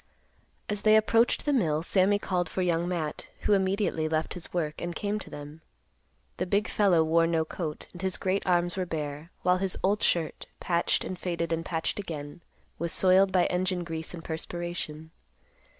As they approached the mill, Sammy called for Young Matt, who immediately left his work, and came to them. The big fellow wore no coat, and his great arms were bare, while his old shirt, patched and faded and patched again, was soiled by engine grease and perspiration.